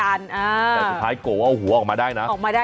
แต่สุดท้ายโกหก๗๕๘เอาหัวออกมาได้นะ